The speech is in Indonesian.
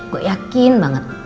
gue yakin banget